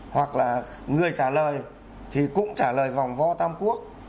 hoặc là người trả lời thì cũng trả lời vòng vo tam quốc